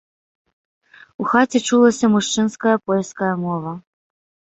У хаце чулася мужчынская польская мова.